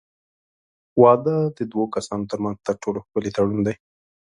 واده د دوو کسانو ترمنځ تر ټولو ښکلی تړون دی.